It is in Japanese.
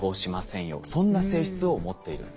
そんな性質を持っているんです。